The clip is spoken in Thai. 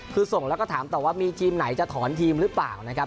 คือส่งแล้วก็ถามต่อว่ามีทีมไหนจะถอนทีมหรือเปล่านะครับ